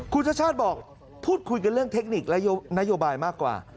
คุณชาติชาติบอกพูดคุยกันเรื่องเทคนิคและนโยบายมากกว่า